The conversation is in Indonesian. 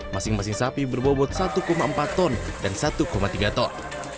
masing masing sapi berbobot satu empat ton dan satu tiga ton